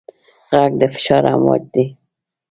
غږ د فشار امواج دي.